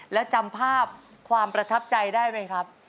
แล้วจำภาพความประทับใจได้ไหมครับ